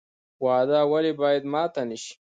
وعده ولې باید ماته نشي؟